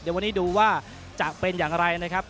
เดี๋ยววันนี้ดูว่าจะเป็นอย่างไรนะครับ